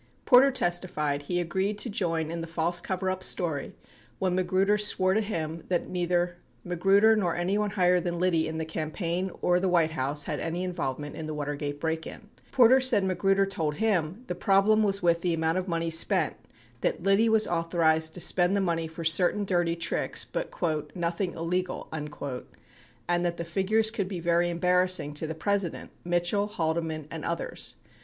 98 Porter testified he agreed to join in the false coverup story when Magruder swore to him that neither Magruder nor anyone higher than Liddy in the campaign or the White House had any involvement in the Watergate break in. Porter said Magruder told him the prob lem was with the amount of money spent, that Liddy was authorized to spend the money for certain dirty tricks but "nothing illegal," and that the figures could be very embarrassing to the President, Mitchell, Haldeman and others.